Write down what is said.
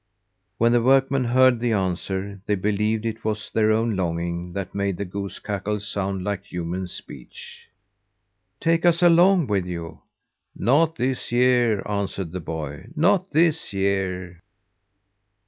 When the workmen heard the answer, they believed it was their own longing that made the goose cackle sound like human speech. "Take us along with you!" "Not this year," answered the boy. "Not this year."